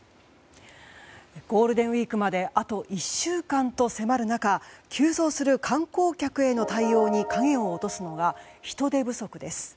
ゴールデンウィークまであと１週間と迫る中急増する観光客への対応に影を落とすのが人手不足です。